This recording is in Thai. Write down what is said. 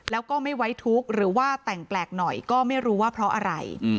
แล้วก็ไม่ไว้ทุกข์หรือว่าแต่งแปลกหน่อยก็ไม่รู้ว่าเพราะอะไร